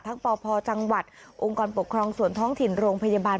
ปพจังหวัดองค์กรปกครองส่วนท้องถิ่นโรงพยาบาล